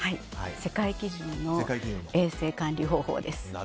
世界基準の衛生管理方法です。